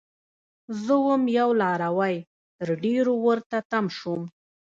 زه وم یو لاروی؛ تر ډيرو ورته تم شوم